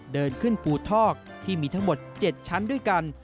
เดินขึ้นภูทอกที่มีทั้งหมด๗ชั้นด้วยกัน